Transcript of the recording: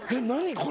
これ。